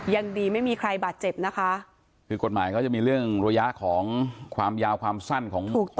ยังดีไม่มีใครบาดเจ็บนะคะคือกฎหมายเขาจะมีเรื่องระยะของความยาวความสั้นของ